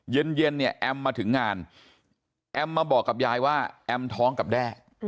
เย็นเนี่ยแอมมาถึงงานแอมมาบอกกับยายว่าแอมท้องกับแด้